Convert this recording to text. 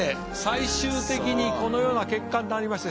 最終的にこのような結果になりまして。